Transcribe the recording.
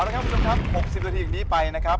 ๖๐นาทีอันนี้ไปนะครับ